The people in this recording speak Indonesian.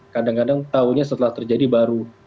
kadang kadang tahunya setelah terjadi baru